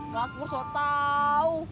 kak pur so tau